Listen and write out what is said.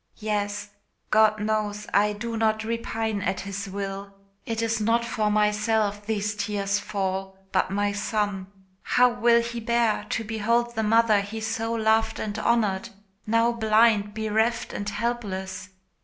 "Yes; God knows I do not repine at His will. It is not for myself these tears fall, but my son. How will he bear to behold the mother he so loved and honoured, now blind, bereft, and helpless?"